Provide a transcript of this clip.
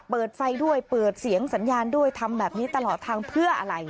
เปิดไฟด้วยเปิดเสียงสัญญาณด้วยทำแบบนี้ตลอดทางเพื่ออะไร